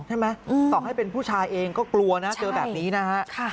ต่อให้เป็นผู้ชายเองก็กลัวนะเจอแบบนี้นะฮะ